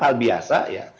hal biasa ya